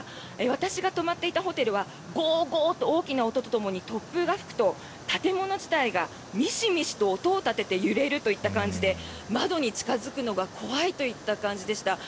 私が泊まっていたホテルはゴーゴーと大きな音とともに突風が吹くと建物自体がミシミシと音を立てて揺れるといった感じで窓に近付くのが怖いといった感じでした。